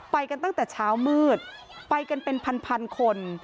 ไปกันตั้งแต่เช้ามืดไปกันเป็นพันคน